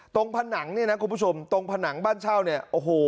ผนังเนี่ยนะคุณผู้ชมตรงผนังบ้านเช่าเนี่ยโอ้โห